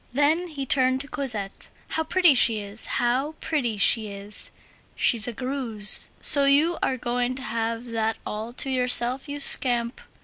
Then he turned to Cosette. "How pretty she is! how pretty she is! She's a Greuze. So you are going to have that all to yourself, you scamp!